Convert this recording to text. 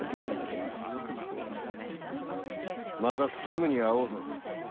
またすぐに会おうぞ。